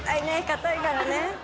かたいからね。